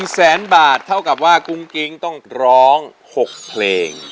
๑แสนบาทเท่ากับว่ากุ้งกิ๊งต้องร้อง๖เพลง